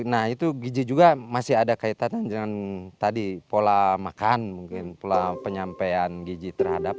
nah itu gizi juga masih ada kaitan dengan tadi pola makan mungkin pola penyampaian giji terhadap